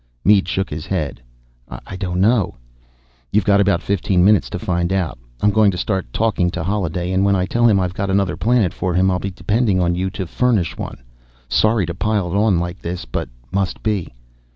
Mead shook his head. "I don't know." "You've got about fifteen minutes to find out. I'm going to start talking to Holliday, and when I tell him I've got another planet for him, I'll be depending on you to furnish one. Sorry to pile it on like this, but must be."